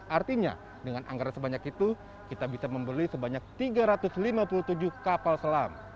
artinya dengan anggaran sebanyak itu kita bisa membeli sebanyak tiga ratus lima puluh tujuh kapal selam